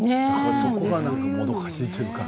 そこがもどかしい。